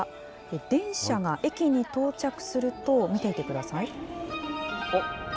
電車が駅に到着すると、見ていてください。